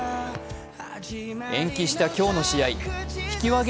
延期した今日の試合、引き分け